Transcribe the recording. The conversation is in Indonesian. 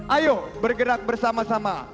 ayo bergerak bersama sama